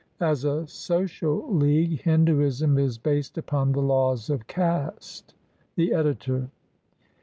As a social league, Hin duism is based upon the laws of caste. The Editor.